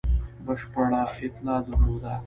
بشپړه اطلاع درلوده.